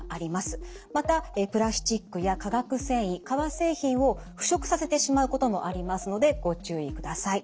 またプラスチックや化学繊維革製品を腐食させてしまうこともありますのでご注意ください。